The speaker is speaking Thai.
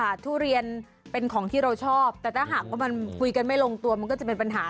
ทุเรียนเป็นของที่เราชอบแต่ถ้าหากว่ามันคุยกันไม่ลงตัวมันก็จะเป็นปัญหา